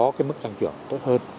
nó sẽ có cái mức tăng trưởng tốt hơn